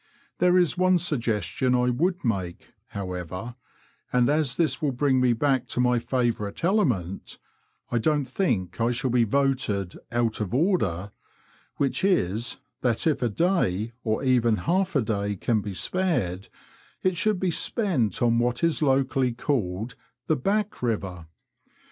There is one suggestion I would make, however — and as this will bring me back to my favourite element, I don't think I shall be voted out of order" — which is, that if a day, or even half a day, can be spared, it should be spent on what is locally called the " Back River."